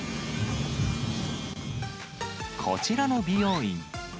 こちらの美容院。